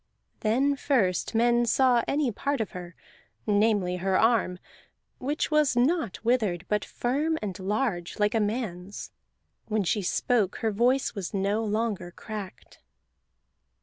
Then first men saw any part of her, namely her arm, which was not withered, but firm and large, like a man's. When she spoke her voice was no longer cracked.